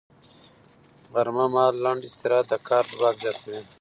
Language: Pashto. غرمه مهال لنډ استراحت د کار ځواک زیاتوي